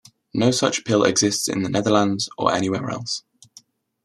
No such pill exists in the Netherlands or anywhere else.